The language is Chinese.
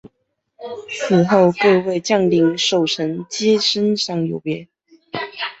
此后各位将领守臣皆升赏有别。